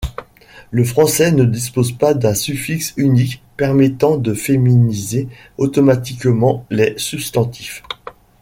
Le français ne dispose pas d’un suffixe unique permettant de féminiser automatiquement les substantifs.